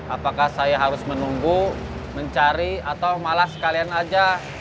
apakah saya harus menunggu mencari atau malah sekalian saja